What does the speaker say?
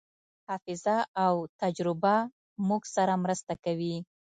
حافظه او تجربه موږ سره مرسته کوي.